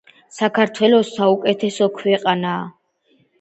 საქართველო საუკეთესო ქვეყანაა